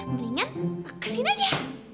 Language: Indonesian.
mendingan aku kasihin aja